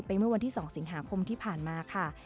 เมื่อวันที่๒สิงหาคมที่ผ่านมาค่ะ